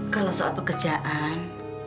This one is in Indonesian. kalau soal pekerjaan